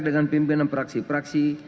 dengan pimpinan praksi praksi